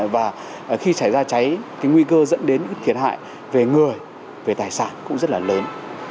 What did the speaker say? và khi cháy ra cháy thì nguy cơ dẫn đến cái thiệt hại về người về tài sản cũng rất là lớn